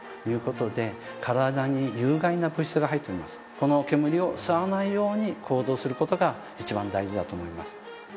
この煙を吸わないように行動する事が一番大事だと思います。